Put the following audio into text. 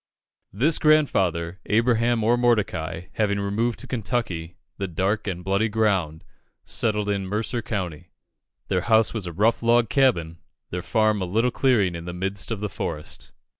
This grandfather, Abraham or Mordecai, having removed to Kentucky, "the dark and bloody ground," settled in Mercer County. Their house was a rough log cabin, their farm a little clearing in the midst of the forest.